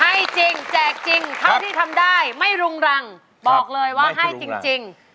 ให้จริงแจกจริงเท่าที่ทำได้ไม่รุงรังบอกเลยว่าให้จริง